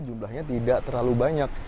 jumlahnya tidak terlalu banyak